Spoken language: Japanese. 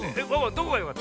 どこがよかった？